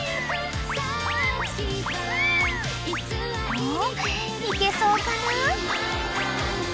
［おっいけそうかな］